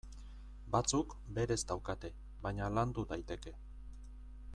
Batzuk berez daukate, baina landu daiteke.